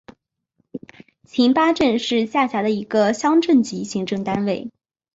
覃巴镇是下辖的一个乡镇级行政单位。